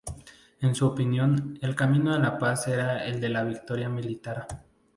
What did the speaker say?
En su opinión, el camino a la paz era el de la victoria militar.